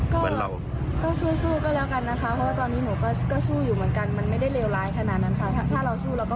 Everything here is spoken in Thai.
ก็สู้ก็แล้วกันนะคะเพราะว่าตอนนี้ผมก็สู้อยู่เหมือนกัน